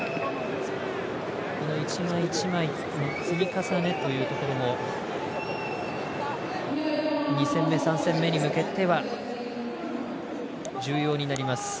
この１枚１枚の積み重ねというところも２戦目、３戦目に向けては重要になります。